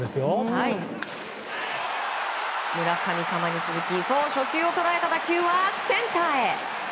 村神様に続き初球を捉えた打球はセンターへ。